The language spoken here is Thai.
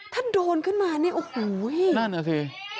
ถ้าโดนขึ้นมาเนี่ยโอ้โหนั่นน่ะสิ